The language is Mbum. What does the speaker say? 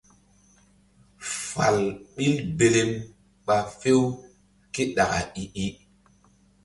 Fal ɓil belem ɓa few ké ɗaka i-i.